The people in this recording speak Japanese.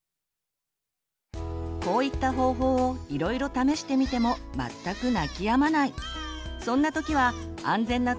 こういった方法をいろいろ試してみても全く泣きやまない！